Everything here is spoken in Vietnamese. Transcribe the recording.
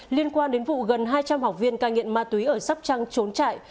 liên quan đến vụ gần hai trăm linh học viên ca nghiện ma túy ở sắp trăng trốn trại